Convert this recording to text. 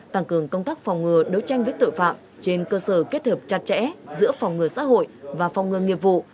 tăng cường công tác phòng ngừa đấu tranh với tội phạm trên cơ sở kết hợp chặt chẽ giữa phòng ngừa xã hội và phòng ngừa nghiệp vụ